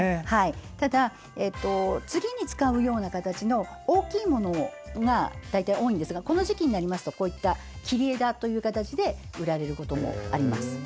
ただ、ツリーに使うような形の大きいものが多いんですがこの時期になると切り枝という形で売られることもあります。